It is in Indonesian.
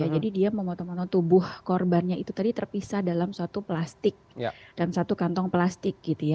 jadi dia memotong motong tubuh korbannya itu tadi terpisah dalam satu plastik dalam satu kantong plastik